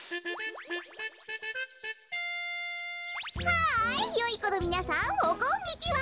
ハイよいこのみなさんおこんにちは。